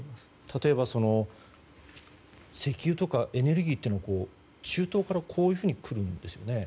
例えば、石油とかエネルギーというのは中東から来るんですよね。